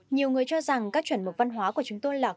nhiều người cho rằng các chuẩn mực văn hóa của chúng tôi là cổ xưa